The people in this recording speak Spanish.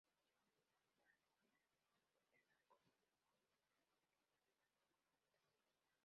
Johnny Fontane tiene algunos problemas con su voz, ya no puede cantar como antes.